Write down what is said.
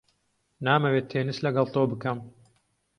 نامەوێت تێنس لەگەڵ تۆ بکەم.